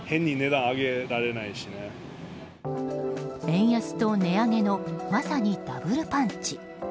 円安と値上げのまさにダブルパンチ。